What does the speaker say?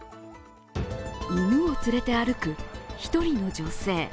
犬を連れて歩く一人の女性。